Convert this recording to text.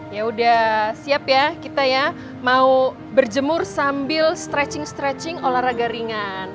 ya udah siap ya kita ya mau berjemur sambil stretching stretching olahraga ringan